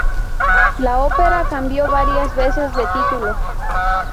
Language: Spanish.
La ópera cambió varias veces de título.